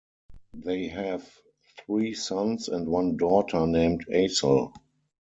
They have three sons and one daughter named Asil.